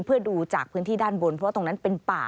เพื่อดูจากพื้นที่ด้านบนเพราะตรงนั้นเป็นป่า